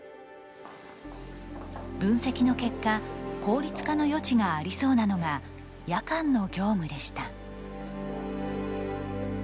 分析の結果効率化の余地がありそうなのが夜間の業務でした。